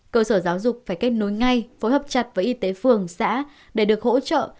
cơ sở giáo dục phải kết nối ngay phối hợp chặt với y tế phường xã để được hỗ trợ